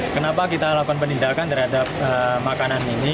kenapa kita lakukan penindakan terhadap makanan ini